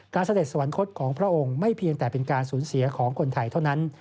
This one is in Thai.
เสด็จสวรรคตของพระองค์ไม่เพียงแต่เป็นการสูญเสียของคนไทยเท่านั้น